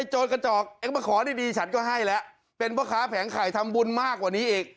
โจรกระจอกเองมาขอดีฉันก็ให้แล้วเป็นพ่อค้าแผงไข่ทำบุญมากกว่านี้อีก